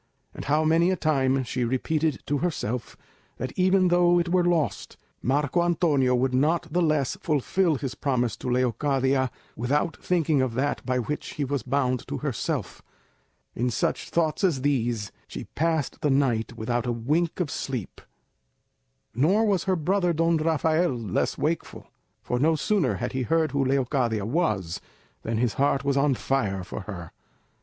And how many a time she repeated to herself, that even though it were lost, Marco Antonio would not the less fulfil his promise to Leocadia, without thinking of that by which he was bound to herself! In such thoughts as these she passed the night without a wink of sleep; nor was her brother Don Rafael less wakeful; for no sooner had he heard who Leocadia was, than his heart was on fire for her.